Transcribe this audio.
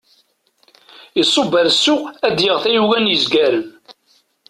Iṣubb ar ssuq ad d-yaɣ tayuga n yezgaren.